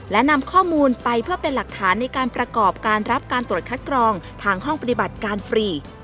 และนำข้อมูลไปเพื่อเป็นหลักฐานในการประกอบการรับการตรวจคัดกรองทางห้องปฏิบัติการฟรี